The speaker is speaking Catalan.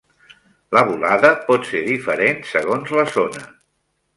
La volada pot ser diferent segons la zona.